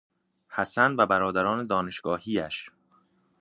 حسن و برادران دانشگاهیاش